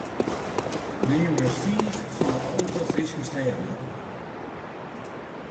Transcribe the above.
Neam ris fiif fan ’e alve Fryske stêden.